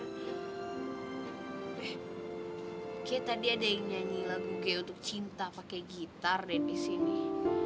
kayaknya tadi ada yang nyanyi lagu kayak untuk cinta pake gitar dan di sini